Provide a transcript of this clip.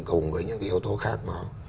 cùng với những cái yếu tố khác nó